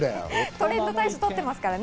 トレンド大賞を取ってますからね。